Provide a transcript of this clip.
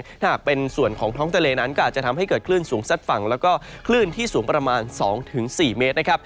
ถ้าหากเป็นส่วนของท้องทะเลนั้นก็อาจจะทำให้เกิดคลื่นสูงซัดฝั่งแล้วก็คลื่นที่สูงประมาณ๒๔เมตรนะครับ